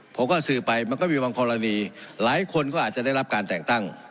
ผมก็สืบไปมันก็มีบางกรณีหลายคนก็อาจจะได้รับการแต่งตั้ง